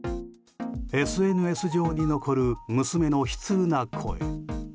ＳＮＳ上に残る娘の悲痛な声。